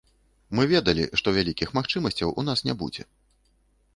Мы ведалі, што вялікіх магчымасцяў у нас не будзе.